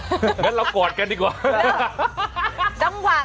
งั้นเรากอดกันดีกว่า